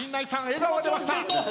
笑顔が出ました。